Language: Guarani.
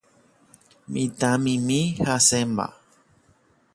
Mitãmimi hasẽmba